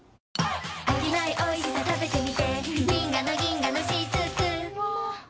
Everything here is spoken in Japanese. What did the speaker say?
飽きないおいしさ食べてみて銀河の銀河のしずくうま。